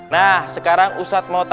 nah sekarang ustadz mau tanya